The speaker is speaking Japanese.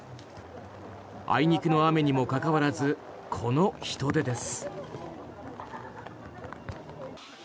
あいにくの雨にもかかわらずこの人出です。